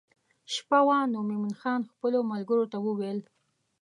شپه وه نو مومن خان خپلو ملګرو ته وویل.